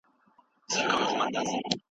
خوشحالي د زړه په غني والي کي ده.